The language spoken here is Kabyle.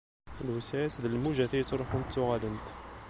Lewseɛ-is d lmujat i ittruḥun ttuɣalent.